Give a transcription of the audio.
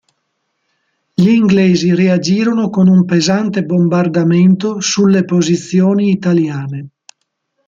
Gli inglesi reagirono con un pesante bombardamento sulle posizioni italiane.